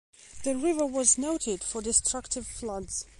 The river was noted for destructive floods.